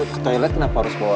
ke toilet kenapa harus bawa